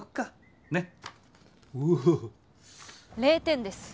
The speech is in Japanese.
０点です。